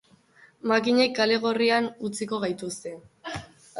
Makinek kale gorrian utziko gaituzte.